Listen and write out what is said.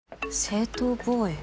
正当防衛？